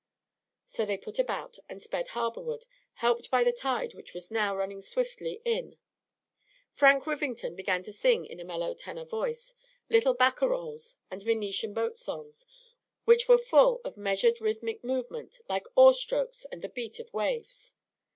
So they put about and sped harborward, helped by the tide which was now running swiftly in. Frank Rivington began to sing in a mellow tenor voice little barcarolles and Venetian boat songs, which were full of a measured rhythmic movement like oar strokes and the beat of waves.